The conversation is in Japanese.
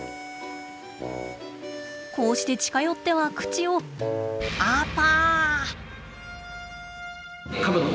こうして近寄っては口をあぱ。